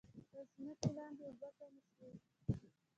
د ځمکې لاندې اوبه کمې شوي؟